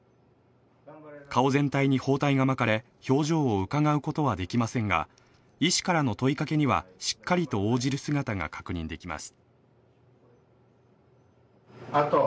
顔全体に包帯が巻かれ、表情をうかがうことはできませんが、医師からの問いかけにはしっかりと応じる姿が確認できます。